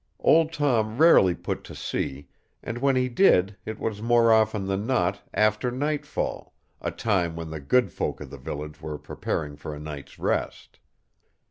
Old Tom rarely put to sea, and when he did it was more often than not after nightfall, a time when the good folk of the village were preparing for a night's rest.